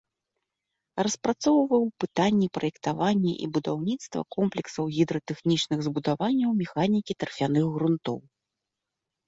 Распрацоўваў пытанні праектавання і будаўніцтва комплексаў гідратэхнічных збудаванняў механікі тарфяных грунтоў.